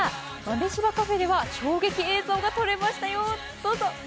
豆柴カフェでは衝撃映像が撮れましたよ。